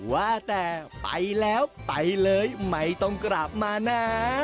ว่าแต่ไปแล้วไปเลยไม่ต้องกลับมานะ